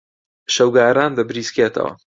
شەوگاران دەبریسکێتەوە.